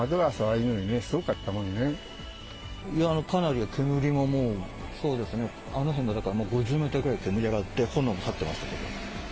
いや、かなり煙ももう、そうですね、あの辺の、だから５０メートルぐらい上がって、炎が立ってましたけど。